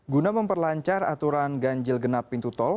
guna memperlancar aturan ganjil genap pintu tol